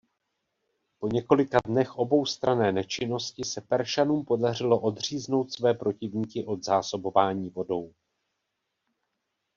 Po několika dnech oboustranné nečinnosti se Peršanům podařilo odříznout své protivníky od zásobování vodou.